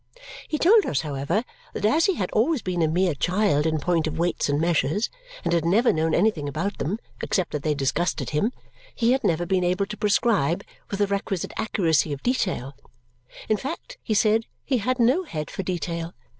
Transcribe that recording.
He told us, however, that as he had always been a mere child in point of weights and measures and had never known anything about them (except that they disgusted him), he had never been able to prescribe with the requisite accuracy of detail. In fact, he said, he had no head for detail.